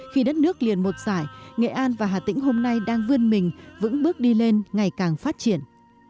khi đất nước liền một giải nghệ an và hà tĩnh hôm nay đang vươn mình vững bước đi lên ngày càng phát triển